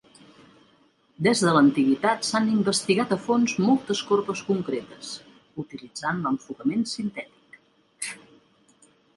Des de l'antiguitat s'han investigat a fons moltes corbes concretes, utilitzant l'enfocament sintètic.